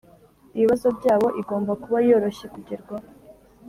ibibazo byabo igomba kuba yoroshye kugerwaho